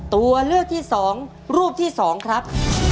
ตัวเลือกที่สองรูปที่สองครับ